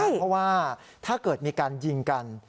เพราะว่าถ้าเกิดมีการยิงกัน